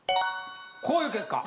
こういう結果！